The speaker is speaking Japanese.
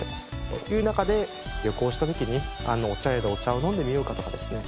という中で旅行した時にお茶屋でお茶を飲んでみようかとかですね